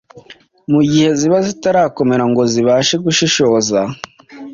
mu gihe ziba zitarakomera ngo zibashe gushishoza?